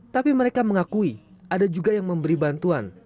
tapi mereka mengakui ada juga yang memberi bantuan